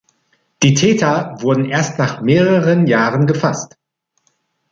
Die Täter wurden erst nach mehreren Jahren gefasst.